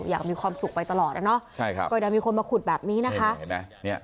อยากมีความสุขไปตลอดแล้วเนอะก็จะมีคนมาขุดแบบนี้นะคะ